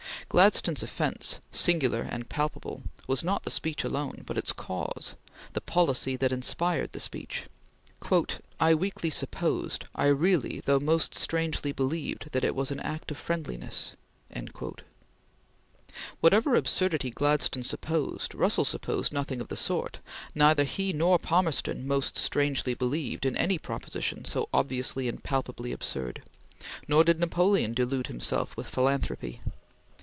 Gladstone's offence, "singular and palpable," was not the speech alone, but its cause the policy that inspired the speech. "I weakly supposed ... I really, though most strangely, believed that it was an act of friendliness." Whatever absurdity Gladstone supposed, Russell supposed nothing of the sort. Neither he nor Palmerston "most strangely believed" in any proposition so obviously and palpably absurd, nor did Napoleon delude himself with philanthropy.